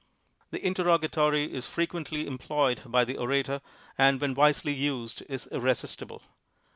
The interrogatory is frequently employed by the orator, and when wisely used is irresistible.